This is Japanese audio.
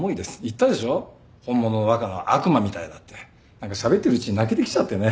何かしゃべってるうちに泣けてきちゃってね。